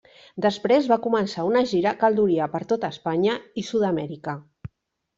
Després va començar una gira que el duria per tot Espanya i Sud-amèrica.